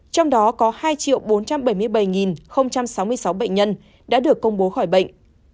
trong đó có hai bốn trăm bảy mươi bảy sáu mươi sáu bệnh nhân đã được công bố khỏi bệnh